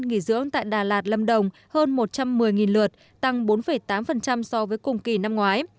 nghỉ dưỡng tại đà lạt lâm đồng hơn một trăm một mươi lượt tăng bốn tám so với cùng kỳ năm ngoái